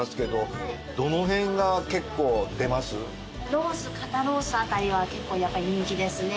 ロース肩ロースあたりは結構やっぱり人気ですね。